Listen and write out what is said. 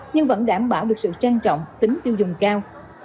nhưng vẫn đảm bảo được sự trang trọng tính tiêu dùng cao